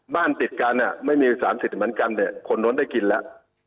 บ้านติดกันไม่มีสารสิทธิ์เหมือนกันคนโน้นได้กินแล้ว